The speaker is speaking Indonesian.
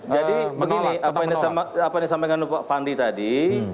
jadi begini apa yang disampaikan pak pandi tadi